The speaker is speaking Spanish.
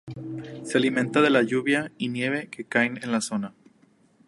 Se alimenta de las lluvias y nieves que caen en la zona.